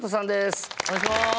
お願いします。